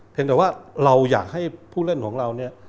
เห็นแต่ว่าเราอยากให้ผู้เล่นของเรา